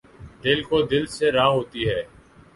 دل کو دل سے راہ ہوتی ہے